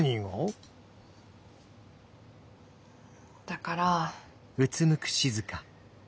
だから。